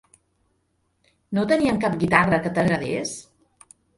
No tenien cap guitarra que t'agradés?